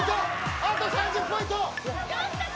あと３０ポイント。